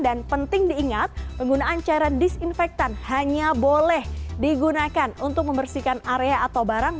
dan penting diingat penggunaan cairan disinfektan hanya boleh digunakan untuk membersihkan area atau barang